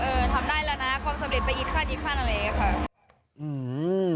เออทำได้แล้วนะความสำเร็จไปอีกขั้นอีกขั้นอะไรแบบนี้ค่ะ